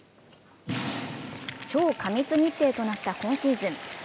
超過密日程となった今シーズン。